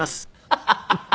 ハハハハ！